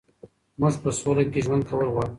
موږ په سوله کې ژوند کول غواړو.